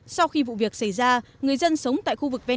sau khi vụ việc xảy ra người dân sống tại khu vực vệ phạm quy định